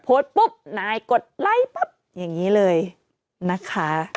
โพสต์ปุ๊บนายกดไลค์ปั๊บอย่างนี้เลยนะคะ